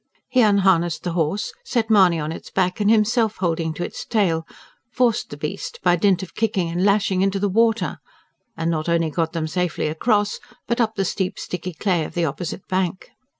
He unharnessed the horse, set Mahony on its back, and himself holding to its tail, forced the beast, by dint of kicking and lashing, into the water; and not only got them safely across, but up the steep sticky clay of the opposite bank.